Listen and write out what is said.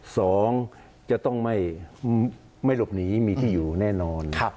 สองจะต้องไม่หลบหนีมีที่อยู่แน่นอน